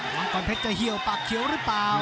มังกรเพชรจะเหี่ยวปากเขียวหรือเปล่า